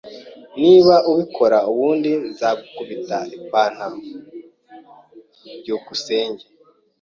Niba ubikora nubundi nzagukubita ipantaro. byukusenge